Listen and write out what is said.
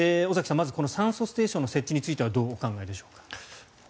まず酸素ステーションの設置についてはどうお考えでしょうか？